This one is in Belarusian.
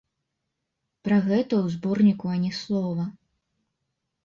Пра гэта ў зборніку ані слова.